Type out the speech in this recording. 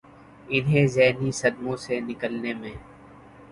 انہیں ذہنی صدموں سے نکلنے میں